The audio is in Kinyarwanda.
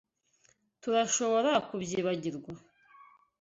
Turashobora kubyibagirwa?